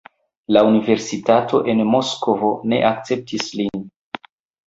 La universitato en Moskvo ne akceptis lin.